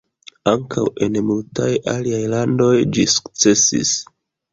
Ankaŭ en multaj aliaj landoj ĝi sukcesis.